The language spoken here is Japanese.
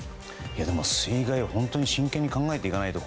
でも、水害は本当に真剣に考えていかないと。